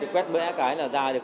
quét mẽ cái là ra được